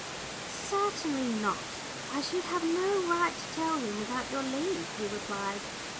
"Certainly not. I should have no right to tell him without your leave," he replied.